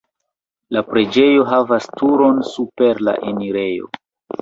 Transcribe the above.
La preĝejo havas turon super la enirejo.